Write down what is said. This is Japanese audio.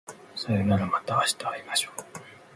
さようならまた明日会いましょう